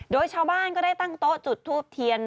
โดยชาวบ้านก็ได้ตั้งโต๊ะจุดทูบเทียน